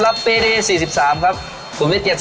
รับปี๔๓ครับภูมิเจ็ด๑๑๐๙๑๒๐๖๐๐๐๕